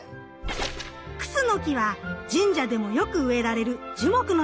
⁉クスノキは神社でもよく植えられる樹木の一つ。